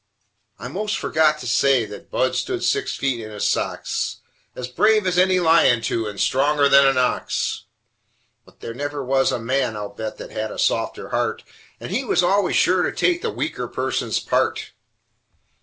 I most forgot to say that Budd stood six feet in his socks, As brave as any lion, too, and stronger than an ox! But there never was a man, I'll bet, that had a softer heart, And he was always sure to take the weaker person's part.